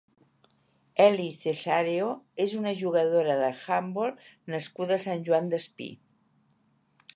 Eli Cesáreo és una jugadora d'handbol nascuda a Sant Joan Despí.